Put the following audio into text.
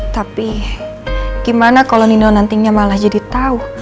tapi gimana kalau nino nantinya malah jadi tahu